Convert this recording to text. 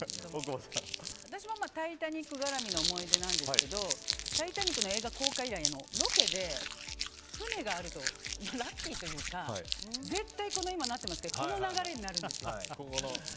私も「タイタニック」絡みの思い出なんですけど「タイタニック」の映画公開以来ロケで船があるとラッキーというか絶対、今なってますけどこの流れになるんですよ。